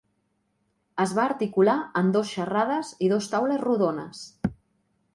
Es va articular en dos xarrades i dos taules rodones.